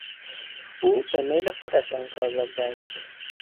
او به میل خودش آن کار را کرد.